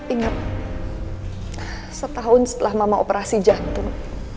ingat setahun setelah mama operasi jantung